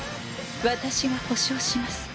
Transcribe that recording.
私が保証します。